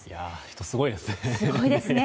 人、すごいですね。